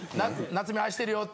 菜摘愛してるよって。